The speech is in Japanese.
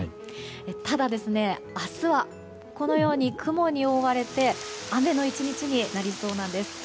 ただ、明日はこのように雲に覆われて雨の１日になりそうなんです。